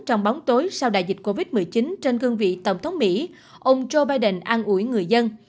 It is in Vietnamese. trong bóng tối sau đại dịch covid một mươi chín trên cương vị tổng thống mỹ ông joe biden an ủi người dân